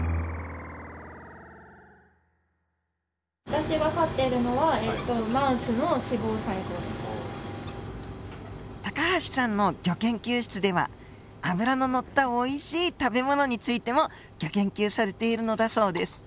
私が飼っているのは高橋さんのギョ研究室では脂の乗ったおいしい食べ物についてもギョ研究されているのだそうです。